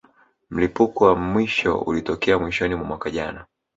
Mlipuko wa mwisho ulitokea mwishoni mwa mwaka jana